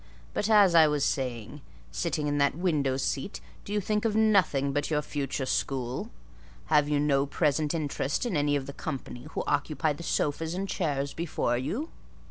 But, as I was saying: sitting in that window seat, do you think of nothing but your future school? Have you no present interest in any of the company who occupy the sofas and chairs before you?